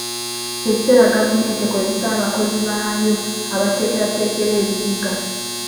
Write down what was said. Kye kiseera gavumenti ekozese abakozi baayo abateekerateekera ebibuga.